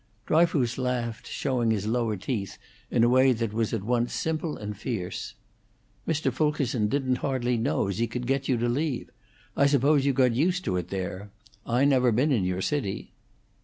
Dryfoos laughed, showing his lower teeth in a way that was at once simple and fierce. "Mr. Fulkerson didn't hardly know as he could get you to leave. I suppose you got used to it there. I never been in your city."